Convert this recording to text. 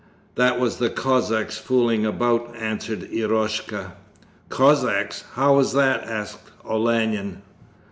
'That was the Cossacks fooling about,' answered Eroshka. 'Cossacks? How was that?' asked Olenin.